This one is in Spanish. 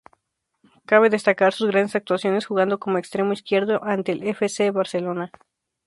Cabe destacar sus grandes actuaciones jugando como extremo izquierdo ante el F. C. Barcelona.